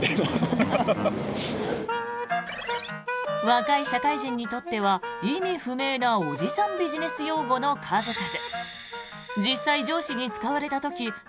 若い社会人にとっては意味不明なおじさんビジネス用語の数々。